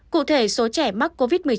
cụ thể số trẻ mắc covid một mươi chín